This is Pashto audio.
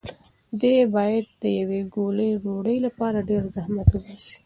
دی باید د یوې ګولې ډوډۍ لپاره ډېر زحمت وباسي.